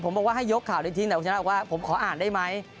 ผมบอกว่าให้ยกข่าวได้ทิ้งแต่คุณชนะบอกว่าผมขออ่านได้ไหม